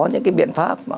những biện pháp